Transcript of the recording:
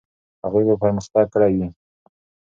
هغوی به پرمختګ کړی وي.